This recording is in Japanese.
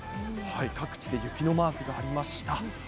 各地で雪のマークがありました。